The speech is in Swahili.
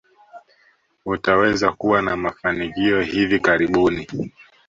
Utaweza kuwa na mafanikia hivi karibuni.